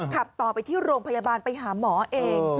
ขับต่อไปที่โรงพยาบาลไปหาหมอเอง